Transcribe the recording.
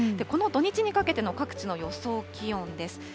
この土日にかけての各地の予想気温です。